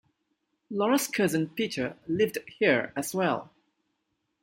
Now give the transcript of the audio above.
Laura's cousin Peter lived here as well.